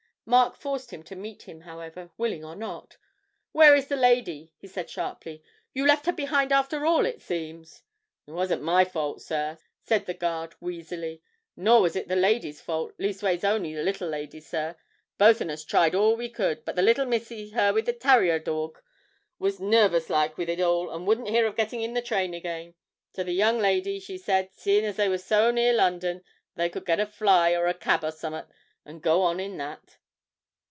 Mark forced him to meet him, however, willing or not. 'Where is the lady?' he said sharply. 'You left her behind after all, it seems?' 'It wasn't my fault, sir,' said the guard wheezily, 'nor it wasn't the lady's fault, leastways on'y the little lady's, sir. Both on us tried all we could, but the little missy, her with the tarrier dawg, was nervous like with it all, and wouldn't hear of getting in the train again; so the young lady, she said, seeing as they was so near London, they could get a fly or a cab or summat, and go on in that.'